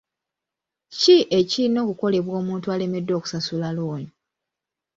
Ki ekirina okukolebwa omuntu alemereddwa okusasula looni?